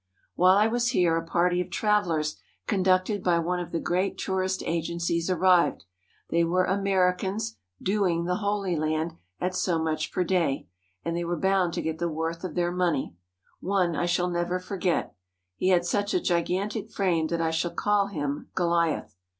While I was here a party of travellers conducted by one of the great tourist agencies arrived. They were Amer icans "doing" the Holy Land at so much per day, and they were bound to get the worth of their money. One I shall never forget. He had such a gigantic frame that I shall call him Goliath.